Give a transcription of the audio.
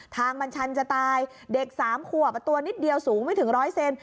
ทางมันชันจะตายเด็ก๓ขวบตัวนิดเดียวสูงไม่ถึงร้อยเซน